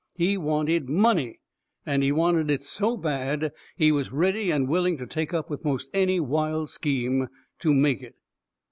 He wanted MONEY, and he wanted it so bad he was ready and willing to take up with most any wild scheme to make it.